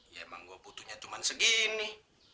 ya emang gue butuhnya cuma segini